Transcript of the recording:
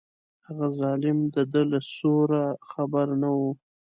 هغه ظالم د ده له سوره خبر نه و.